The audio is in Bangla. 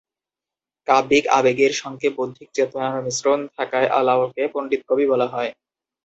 কাব্যিক আবেগের সঙ্গে বৌদ্ধিক চেতনার মিশ্রণ থাকায় আলাওলকে ‘পন্ডিতকবি’ বলা হয়।